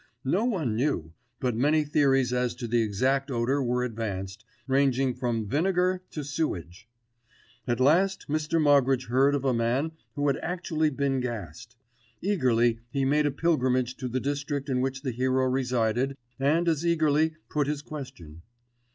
No one knew; but many theories as to the exact odour were advanced, ranging from vinegar to sewage. At last Mr. Moggridge heard of a man who had actually been gassed. Eagerly he made a pilgrimage to the district in which the hero resided and as eagerly put his question.